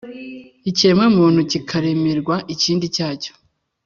Ikiremwamuntu kikaremerwa ikindi cyacyo